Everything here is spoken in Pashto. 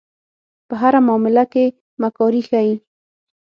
په هره معامله کې مکاري ښيي.